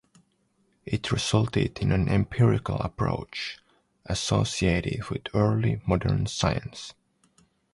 It resulted in an empirical approach associated with early modern science.